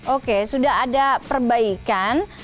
oke sudah ada perbaikan